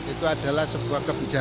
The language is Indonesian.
itu adalah sebuah kebijakan